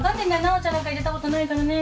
お茶なんか入れたことないからね。